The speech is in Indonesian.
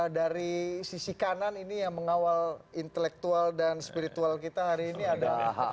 dari sisi kanan ini yang mengawal intelektual dan spiritual kita hari ini ada